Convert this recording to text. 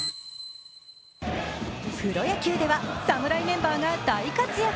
プロ野球では侍メンバーが大活躍。